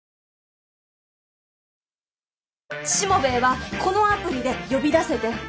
しもべえはこのアプリで呼び出せて。